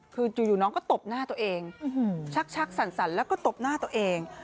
คือจู่น้องก็ตบหน้าตัวเองชักสั่นแล้วก็ตบหน้าตัวเอง